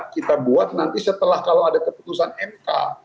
kita buat nanti setelah kalau ada keputusan mk